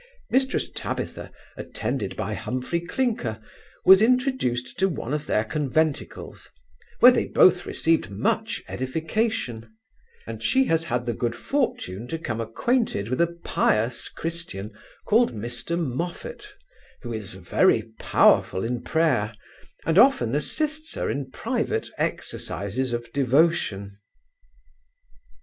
Mrs Tabitha, attended by Humphry Clinker, was introduced to one of their conventicles, where they both received much edification; and she has had the good fortune to come acquainted with a pious Christian, called Mr Moffat, who is very powerful in prayer, and often assists her in private exercises of devotion.